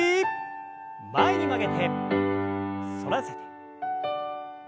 前に曲げて反らせて。